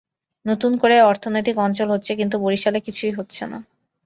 নতুন করে অর্থনৈতিক অঞ্চল হচ্ছে, কিন্তু বরিশালে কিছুই হচ্ছে না।